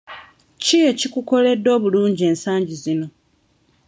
Ki ekikkoledde obulungi ennyo ensangi zino?